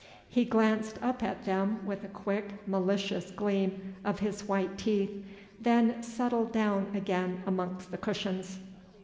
He glanced up at them with a quick, malicious gleam of his white teeth, then settled down again amongst the cushions.